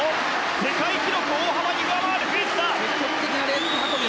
世界記録を大幅に上回るペースだ！